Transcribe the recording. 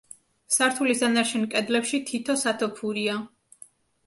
სართულის დანარჩენ კედლებში თითო სათოფურია.